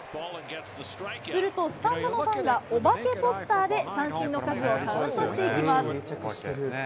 すると、スタンドのファンがおばけポスターで三振の数をカウントしていきます。